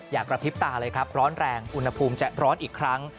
กระพริบตาเลยครับร้อนแรงอุณหภูมิจะร้อนอีกครั้ง